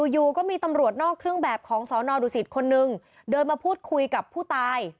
อยู่ก็มีตำรวจนอกเครื่องแบบของสอนอดุสิตคนนึงเดินมาพูดคุยกับผู้ตาย